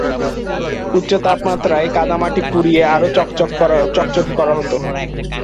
উচ্চ তাপমাত্রায় কাদামাটি পুড়িয়ে আরও চকচকে করা হত।